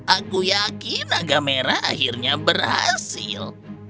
aku yakin naga merah akhirnya berhasil